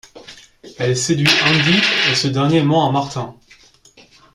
Elle séduit Andy, et ce dernier ment à Martin.